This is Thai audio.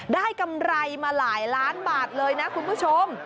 กำไรมาหลายล้านบาทเลยนะคุณผู้ชม